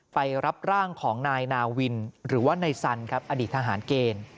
ไปรับร่างของนายนาวินหรือว่านายสันครับอดีตทหารเกณฑ์